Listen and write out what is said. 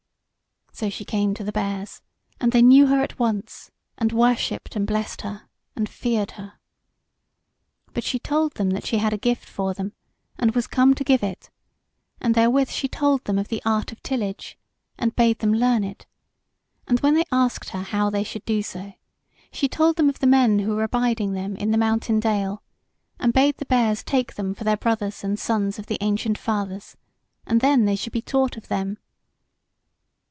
So she came to the Bears, and they knew her at once, and worshipped and blessed her, and feared her. But she told them that she had a gift for them, and was come to give it; and therewith she told them of the art of tillage, and bade them learn it; and when they asked her how they should do so, she told them of the men who were abiding them in the mountain dale, and bade the Bears take them for their brothers and sons of the ancient Fathers, and then they should be taught of them.